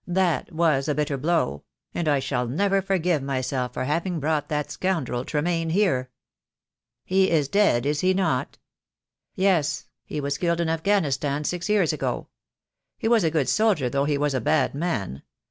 "Thai was a bitter blow; and I shall never forgive myself for having brought that scoundrel Tremaine here." "He is dead, is he not?" THE DAY WILL COME. 2O0, "Yes, he was killed in Afghanistan six years ago. He was a good soldier though he was a bad man.